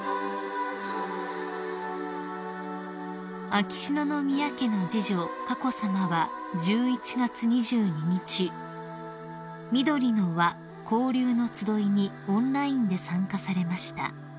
［秋篠宮家の次女佳子さまは１１月２２日「みどりの『わ』交流のつどい」にオンラインで参加されました］